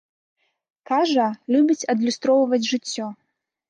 Кажа, любіць адлюстроўваць жыццё.